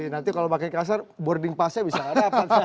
nanti kalau pakai kasar boarding passnya bisa ada